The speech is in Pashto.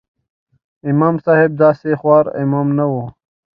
امام صاحب داسې خوار امام نه و.